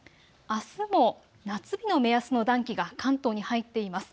あすも夏日の目安の暖気が関東に入っています。